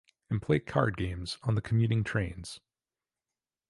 And play card games on the commuting trains.